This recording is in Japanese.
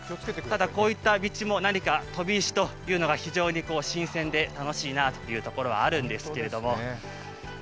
こういった道も何か飛び石というのが新鮮で楽しいというところはあるんですけど。